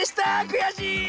くやしい！